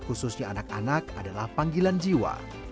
khususnya anak anak adalah panggilan jiwa